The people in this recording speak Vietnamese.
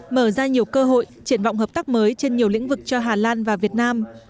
mở ra nhiều cơ hội triển vọng hợp tác mới trên nhiều lĩnh vực cho hà lan và việt nam